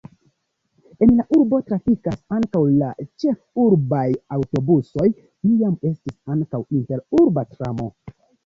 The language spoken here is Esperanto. En la urbo trafikas ankaŭ la ĉefurbaj aŭtobusoj, iam estis ankaŭ interurba tramo.